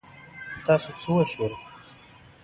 په تاسو څه وشول؟